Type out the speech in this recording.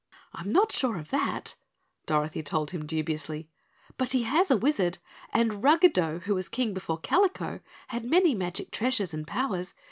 "I'm not sure of that," Dorothy told him dubiously, "but he has a wizard, and Ruggedo who was King before Kalico had many magic treasures and powers.